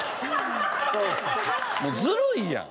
もうずるいやん。